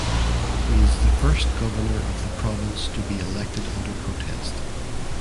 He is the first Governor of the province to be elected under protest.